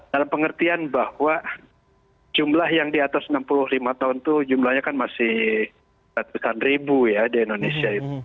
dalam pengertian bahwa jumlah yang di atas enam puluh lima tahun itu jumlahnya kan masih ratusan ribu ya di indonesia itu